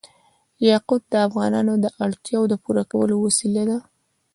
یاقوت د افغانانو د اړتیاوو د پوره کولو وسیله ده.